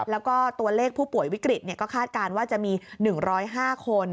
แล้วก็ตัวเลขผู้ป่วยวิกฤตก็คาดการณ์ว่าจะมี๑๐๕คน